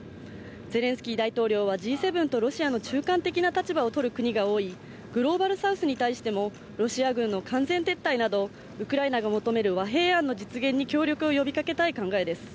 ゼレンスキー大統領は、Ｇ７とロシアの中間的な立場を取る国が多い、グローバルサウスに対してもロシア軍の完全撤退などウクライナが求める和平案の実現に協力を呼びかけたい考えです。